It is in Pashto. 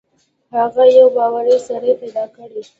هغه یو باوري سړی پیدا کړي.